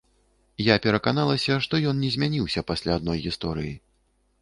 Я пераканалася, што ён не змяніўся пасля адной гісторыі.